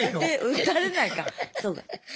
撃たれないかそうか。